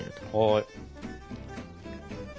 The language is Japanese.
はい。